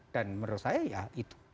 dan menurut saya ya itu